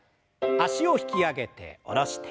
脚を引き上げて下ろします。